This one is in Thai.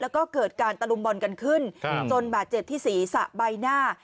แล้วก็เกิดการตะลุมบอลกันขึ้นจนบาดเจ็บที่ศีรษะใบหน้า